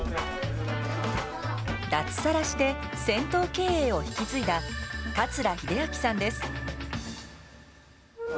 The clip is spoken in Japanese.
脱サラして銭湯経営を引き継いだ桂秀明さんです。